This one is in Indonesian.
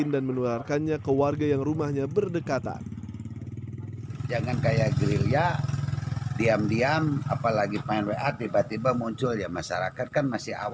dan menularkannya ke warga yang rumahnya berdekatan